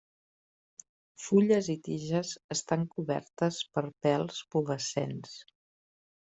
Fulles i tiges estan cobertes per pèls pubescents.